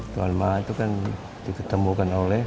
tuan ma itu kan diketemukan oleh